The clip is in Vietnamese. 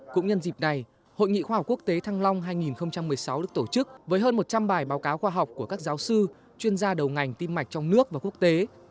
cũng nhân dịp này hội nghị khoa học quốc tế thăng long hai nghìn một mươi sáu được tổ chức với hơn một trăm linh bài báo cáo khoa học của các giáo sư chuyên gia đầu ngành tim mạch trong nước và quốc tế